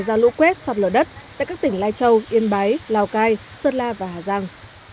nguy cơ sẽ ra lũ quét sọt lửa đất tại các tỉnh lai châu yên bái lào cai sơn la và hà giang